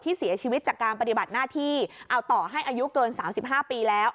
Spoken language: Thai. เสียชีวิตจากการปฏิบัติหน้าที่เอาต่อให้อายุเกิน๓๕ปีแล้ว